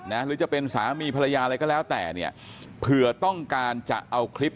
หรือจะเป็นสามีภรรยาอะไรก็แล้วแต่เนี่ยเผื่อต้องการจะเอาคลิป